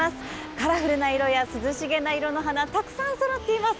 カラフルな色や涼しげな色の花たくさんそろっています。